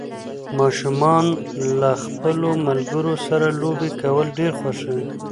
ماشومان له خپلو ملګرو سره لوبې کول ډېر خوښوي